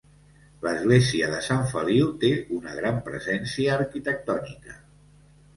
L'església de Sant Feliu té una gran presència arquitectònica.